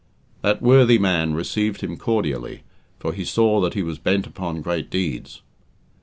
That worthy man received him cordially, for he saw that he was bent upon great deeds.